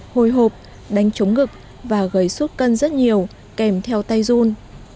hồi hộp đánh chống ngực và gầy suốt cân rất nhiều kèm theo tay run